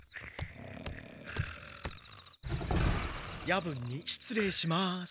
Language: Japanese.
・夜分に失礼します。